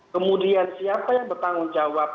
kemudian siapa yang bertanggung jawab